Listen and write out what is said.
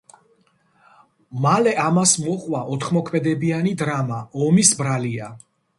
მალე ამას მოჰყვა ოთხმოქმედებიანი დრამა „ომის ბრალია“.